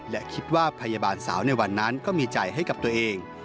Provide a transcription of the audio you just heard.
และคิดว่าพยาบาลสาวในวันนั้นก็มีใจให้กับตัวเอง